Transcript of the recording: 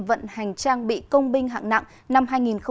vận hành trang bị công binh hạng nặng năm hai nghìn một mươi chín